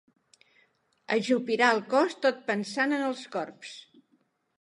Ajupirà el cos tot pensant en els corbs.